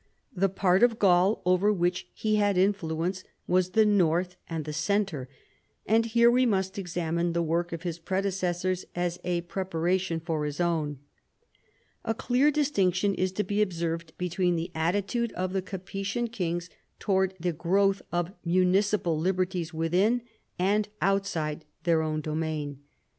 The part of Gaul over which he had influence was the north and the centre : and here we must examine the work of his predecessors as a prepara tion for his own. A clear distinction is to be observed between the attitude of the Capetian kings towards the growth of municipal liberties within, and outside, their own domain.